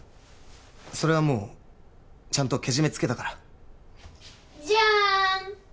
それはもうちゃんとけじめつけたからジャーン！